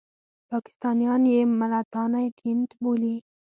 پاکستانیان یې ملتانی ټېنټ بولي.